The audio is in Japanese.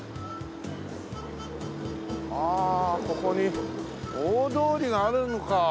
あここに大通りがあるのか。